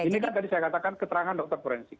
ini kan tadi saya katakan keterangan dokter forensik